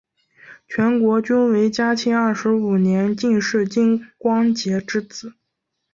金国均为嘉庆二十五年进士金光杰之子。